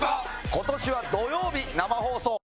今年は土曜日生放送。